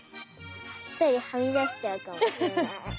ひとりはみだしちゃうかもしれない。